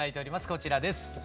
こちらです。